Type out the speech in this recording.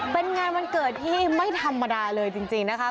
เป็นงานวันเกิดที่ไม่ธรรมดาเลยจริงนะคะ